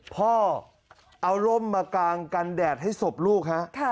พ่อเอาร่มมากางกันแดดให้ศพลูกฮะ